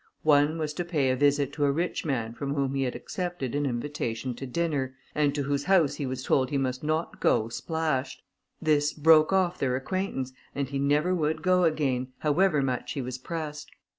One was to pay a visit to a rich man from whom he had accepted an invitation to dinner, and to whose house he was told he must not go splashed. This broke off their acquaintance, and he never would go again, however much he was pressed.